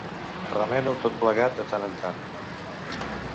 Remena-ho tot plegat de tant en tant.